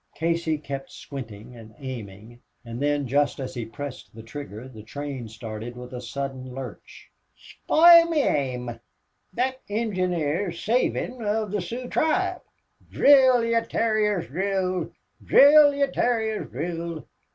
Casey kept squinting and aiming, and then, just as he pressed the trigger, the train started with a sudden lurch. "Sp'iled me aim! Thot engineer's savin' of the Sooz tribe!... Drill, ye terriers, drill! Drill, ye terriers, drill!...